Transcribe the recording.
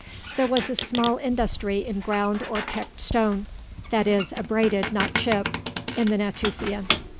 There was a small industry in ground or pecked stone (that is, abraded not chipped) in the Natufian.